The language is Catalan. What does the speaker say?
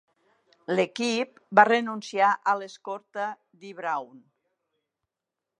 L'equip va renunciar a l'escorta Dee Brown.